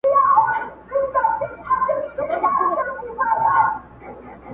بله داچې سترګې د ګڼو